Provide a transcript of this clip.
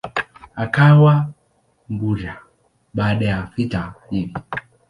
Akawa Mbudha baada ya vita hivi.